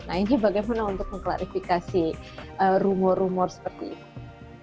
nah ini bagaimana untuk mengklarifikasi rumor rumor seperti itu